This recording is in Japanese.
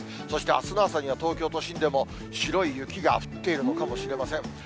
そしてあすの朝には、東京都心でも白い雪が降っているのかもしれません。